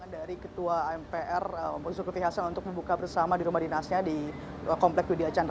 dari ketua mpr zulkifli hasan untuk membuka bersama di rumah dinasnya di komplek dudya chandra